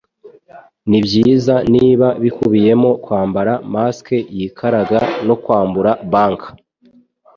Nibyiza niba bikubiyemo kwambara mask yikaraga no kwambura bank